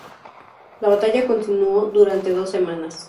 La batalla continuó durante dos semanas.